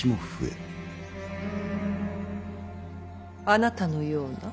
あなたのような。